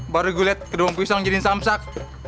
baru gue liat kedua uang pisang jadi samsak